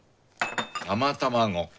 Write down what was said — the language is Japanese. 生卵。